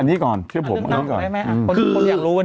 อันนี้ก่อนเชื่อผมอันนี้ก่อน